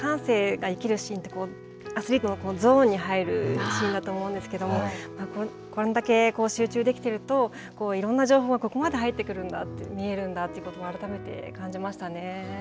すごく感性が生きるシーンってアスリートのゾーンに入るシーンだと思うんですけどこれだけ集中できているといろんな情報がここまで入ってくるんだ、見えるんだということを改めて感じましたね。